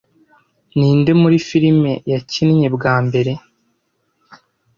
Ninde muri firime yakinnye bwa mbere